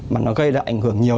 mà nó gây ra ảnh hưởng nhiều